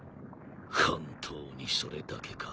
本当にそれだけか？